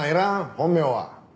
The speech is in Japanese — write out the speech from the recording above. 本名は？